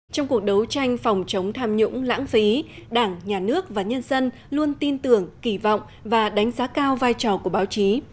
trong cuộc đấu tranh phòng chống tham nhũng lãng phí đảng nhà nước và nhân dân luôn tin tưởng kỳ vọng và đánh giá cao vai trò của báo chí